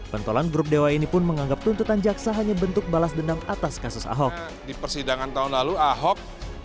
pentolan grup dewa ini pun menganggap tuntutan jaksa hanya bentuk balas dendam atas kasus ahok